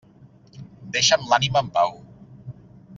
Deixa'm l'ànima en pau.